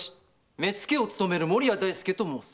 目付を勤める守屋大助と申す。